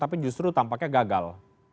tapi justru tampaknya gagal